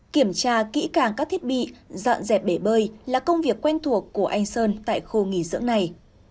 kiểm tra kỹ càng các thiết bị dọn dẹp bể bơi là công việc quen thuộc của anh sơn tại khu nghỉ dưỡng này